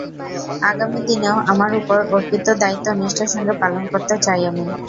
আগামী দিনেও আমার ওপর অর্পিত দায়িত্ব নিষ্ঠার সঙ্গে পালন করতে চাই আমি।